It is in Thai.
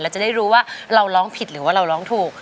จะได้รู้ว่าเราร้องผิดหรือว่าเราร้องถูก